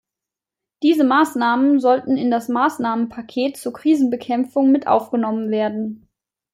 Diese Maßnahmen sollten in das Maßnahmenpaket zur Krisenbekämpfung mit aufgenommen werden.